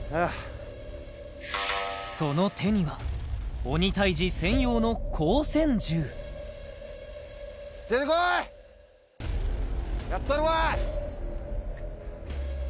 その手には鬼タイジ専用の光線銃やったるわ！